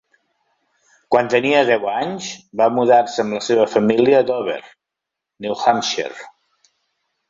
Quan tenia deu anys, va mudar-se amb la seva família a Dover, New Hampshire.